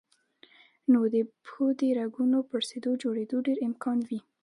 نو د پښو د رګونو پړسېدو جوړېدو ډېر امکان وي